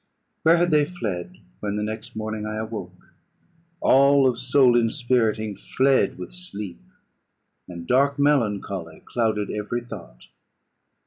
Where had they fled when the next morning I awoke? All of soul inspiriting fled with sleep, and dark melancholy clouded every thought.